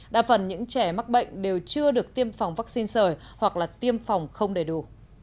đa phần những trẻ mắc bệnh đều chưa được tiêm phòng vaccine sởi hoặc là tiêm phòng không đầy đủ